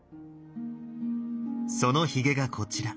そのヒゲがこちら。